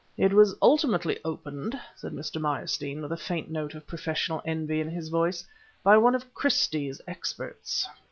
"It was ultimately opened," said Mr. Meyerstein, with a faint note of professional envy in his voice, "by one of Christie's experts."